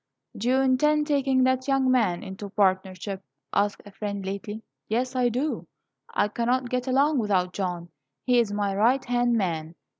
"Do you intend taking that young man into partnership?" asked a friend lately. "Yes, I do. I could not get along without John; he is my right hand man!"